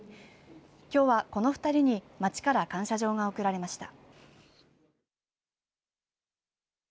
きょうは、この２人に町から感謝状が贈られました。